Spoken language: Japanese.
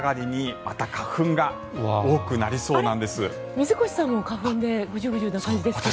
水越さんも花粉でグジュグジュな感じですけど。